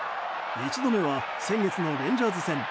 １度目は先月のレンジャーズ戦。